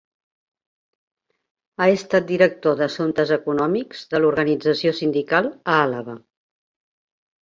Ha estat director d'Assumptes Econòmics de l'Organització Sindical a Àlaba.